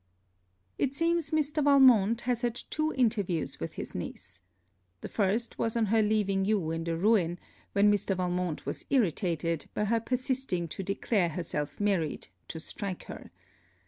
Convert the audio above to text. It seems Mr. Valmont has had two interviews with his niece. The first was on her leaving you in the Ruin, when Mr. Valmont was irritated, by her persisting to declare herself married, to strike her.